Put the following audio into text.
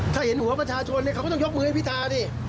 ถ้าเห็นหัวประชาชนเขาก็ต้องยกมือให้พิธาดิ